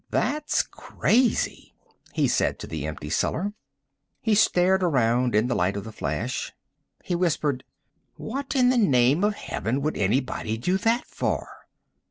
"That's crazy," he said to the empty cellar. He stared around in the light of the flash. He whispered, "What in the name of Heaven would anybody do that for?"